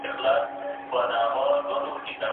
حکومت باید شتمن خلګ کنټرول کړي.